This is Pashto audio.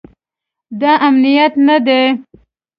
دا امنیت نه دی